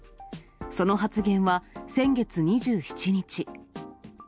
その発言は、先月２７日。